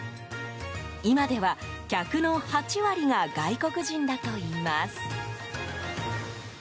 今では、客の８割が外国人だといいます。